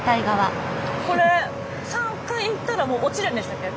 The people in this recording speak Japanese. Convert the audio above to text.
これ３回いったらもう落ちるんでしたっけ？